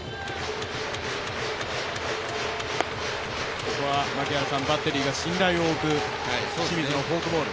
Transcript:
ここはバッテリーが信頼を置く、清水のフォークボール。